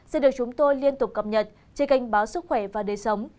xin được chúng tôi liên tục cập nhật trên kênh báo sức khỏe và đời sống